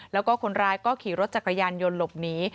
แล้วก็คนร้ายก็ขี่รถจักรยานยนต์หลบหนี